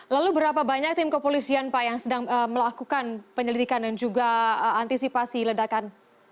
lalu berapa banyak tim kepolisian pak yang sedang melakukan penyelidikan dan juga antisipasi ledakan